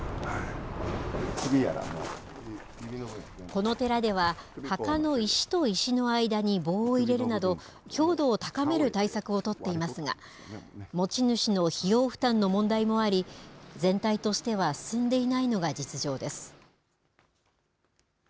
この寺では、墓の石と石の間に棒を入れるなど、強度を高める対策を取っていますが、持ち主の費用負担の問題もあり、全体としては進んでいないのが実情です。